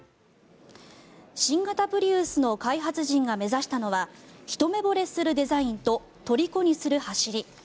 新型プリウスの開発陣が目指したのはひと目ぼれするデザインととりこにする走り。